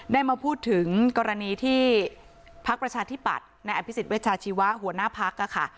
ได้มาพูดถึงกรณีที่พักประชาธิปัตย์ในอภิษฎเวชาชีวะหัวหน้าพักค่ะ